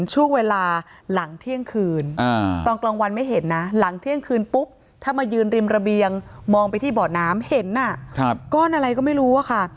ช่วงเวลาหลังเที่ยงคืนตอนกลางวันไม่เห็นนะหลังเที่ยงคืนปุ๊บถ้ามายืนริมระเบียงมองไปที่เบาะน้ำเห็นก้อนอะไรก็ไม่รู้อะค่ะ